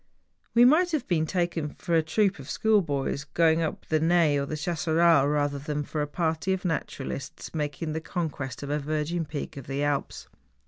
We might have been taken for a troop of school boys going up the Naye or the Chasseral rather than for a party of naturalists making the conquest of a virgin peak of the Alps.